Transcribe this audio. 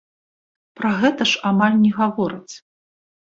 Пра гэта ж амаль не гавораць.